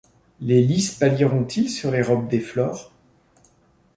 Les lys pâliront-ils sur les robes des flores